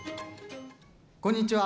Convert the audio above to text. こんにちは。